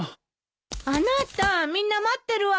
あなたみんな待ってるわよ。